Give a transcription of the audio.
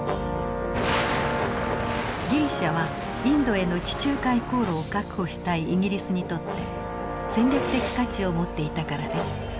ギリシャはインドへの地中海航路を確保したいイギリスにとって戦略的価値を持っていたからです。